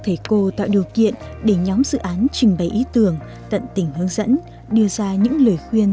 thầy cô tạo điều kiện để nhóm dự án trình bày ý tưởng tận tình hướng dẫn đưa ra những lời khuyên